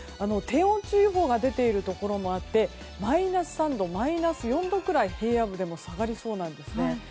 低温注意報が出ているところもあってマイナス３度マイナス４度くらい平野部でも下がりそうです。